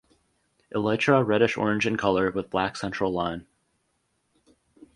Elytra reddish orange in color with black central line.